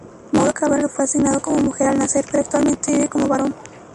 Mauro Cabral fue asignado como mujer al nacer, pero actualmente vive como varón.